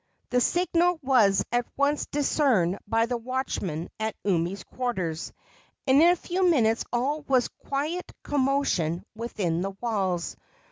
The signal was at once discerned by the watchmen at Umi's quarters, and in a few minutes all was quiet commotion within the walls.